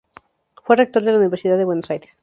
Fue rector de la Universidad de Buenos Aires.